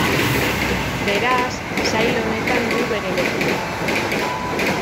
Beraz, sail honetan du bere lekua.